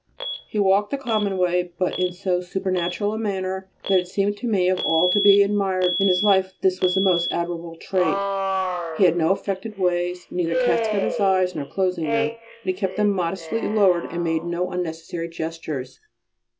He walked the common way, but in so supernatural a manner that it seemed to me that of all to be admired in his life this was the most admirable trait. He had no affected ways, neither casting up his eyes nor closing them, but he kept them modestly lowered and made no unnecessary gestures.